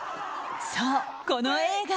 そう、この映画。